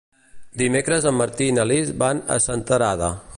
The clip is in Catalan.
Dimecres en Martí i na Lis van a Senterada.